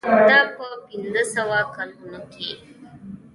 دا په پنځه سوه کلونو کې و.